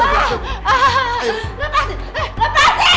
udoh daun tua gue